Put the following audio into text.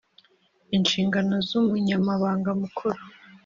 Inshingano z umunyabanga mukuru